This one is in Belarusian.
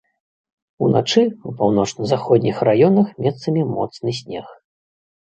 Уначы ў паўночна-заходніх раёнах месцамі моцны снег.